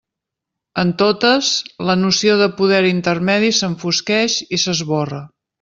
En totes, la noció de poder intermedi s'enfosqueix i s'esborra.